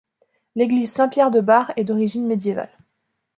L'église Saint-Pierre de Bars est d'origine médiévale.